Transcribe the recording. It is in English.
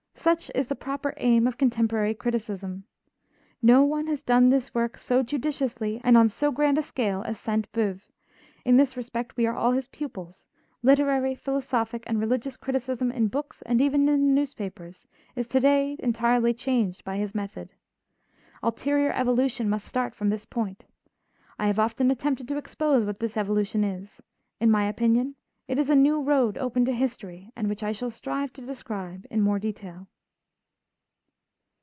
Such is the proper aim of contemporary criticism. No one has done this work so judiciously and on so grand a scale as Sainte Beuve; in this respect, we are all his pupils; literary, philosophic, and religious criticism in books, and even in the newspapers, is to day entirely changed by his method. Ulterior evolution must start from this point. I have often attempted to expose what this evolution is; in my opinion, it is a new road open to history and which I shall strive to describe more in detail.